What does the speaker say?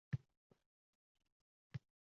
Shakarbek akaning gaplari shakardan shirin